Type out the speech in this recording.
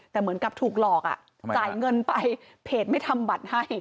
แต่เหมือนกับถูกหลอกอ่ะจ่ายเงินไปเพจไม่ทำบัตรให้